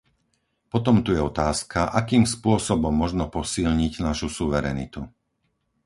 Potom tu je otázka, akým spôsobom možno posilniť našu suverenitu.